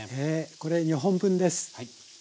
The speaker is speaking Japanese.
これ２本分です。